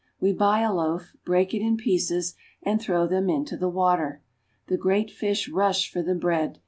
We buy a loaf, break it in pieces, and throw them into the water. The great fish rush for the bread.